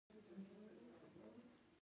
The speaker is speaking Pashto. دا افراطي ځانولۍ احساس دی.